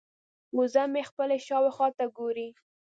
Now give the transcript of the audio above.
وزه مې خپلې شاوخوا ته ګوري.